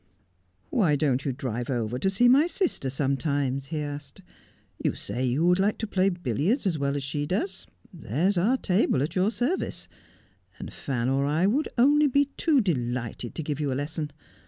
' Why don't you drive over to see my sister sometimes 1 ' he asked. ' You say you would like to play billiards as well as she does. There's our table at your service ; and Fan or I would only be too delighted to give you a lesson.